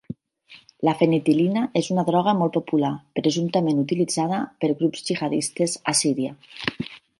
La fenetil·lina és una droga molt popular, presumptament utilitzada per grups gihadistes a Síria.